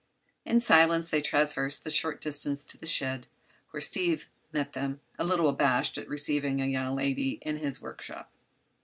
In silence they traversed the short distance to the shed, where Steve met them, a little abashed at receiving a young lady in his workshop.